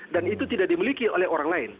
dan itu tidak dimiliki oleh orang lain